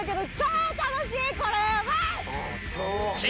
これ！